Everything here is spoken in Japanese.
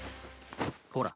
ほら。